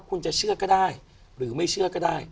คุณจะเชื่อก็ได้หรือไม่เชื่อก็ได้